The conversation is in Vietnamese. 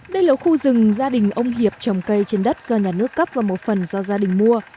đây là khu rừng gia đình ông hiệp trồng cây trên đất do nhà nước cấp và một phần do gia đình mua